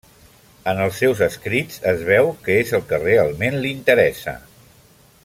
En els seus escrits es veu que és el que realment li interessa.